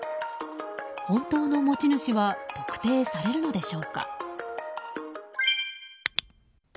本当の持ち主は特定されるのでしょうか。